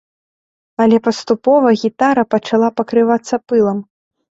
Але паступова гітара пачала пакрывацца пылам.